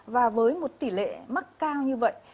và với một tỷ lệ mắc cao như vậy